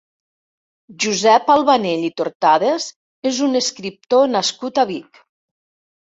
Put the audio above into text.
Josep Albanell i Tortades és un escriptor nascut a Vic.